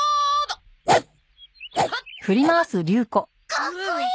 かっこいい！